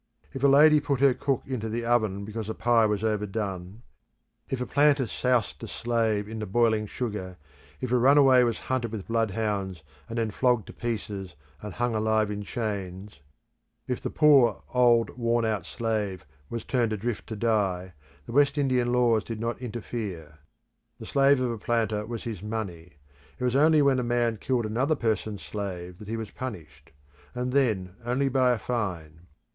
If a lady put her cook into the oven because the pie was overdone; if a planter soused a slave in the boiling sugar; if the runaway was hunted with bloodhounds, and then flogged to pieces and hung alive in chains; if the poor old worn out slave was turned adrift to die, the West Indian laws did not interfere. The slave of a planter was "his money" it was only when a man killed another person's slave that he was punished; and then only by a fine.